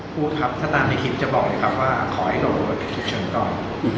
พูดครับถ้าตามในคลิปจะบอกไหมครับว่าขอให้ลงรถติดฉุกเฉินก่อน